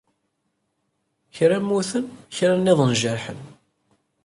Kra mmuten, kra nniḍen jerḥen.